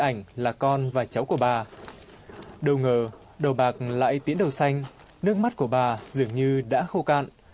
bà mận là con và cháu của bà đâu ngờ đầu bạc lại tiễn đầu xanh nước mắt của bà dường như đã khô cạn